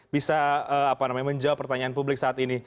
bisa menjawab pertanyaan publik saat ini